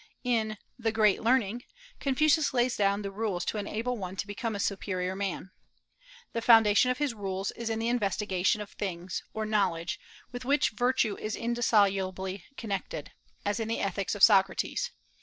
In "The Great Learning" Confucius lays down the rules to enable one to become a superior man. The foundation of his rules is in the investigation of things, or knowledge, with which virtue is indissolubly connected, as in the ethics of Socrates.